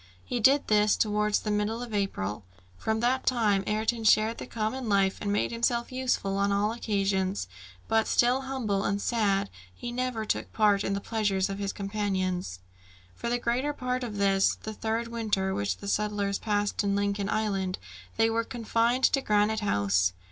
He did this towards the middle of April. From that time Ayrton shared the common life, and made himself useful on all occasions; but still humble and sad, he never took part in the pleasures of his companions. For the greater part of this, the third winter which the settlers passed in Lincoln Island, they were confined to Granite House.